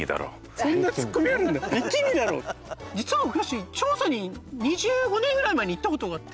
あれは実は昔長沙に２５年ぐらい前に行ったことがあって。